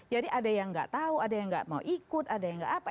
jadi ada yang tidak tahu ada yang tidak mau ikut ada yang tidak apa